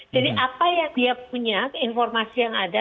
jadi apa yang dia punya informasi yang ada